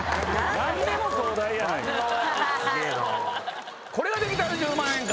何でも東大やないか。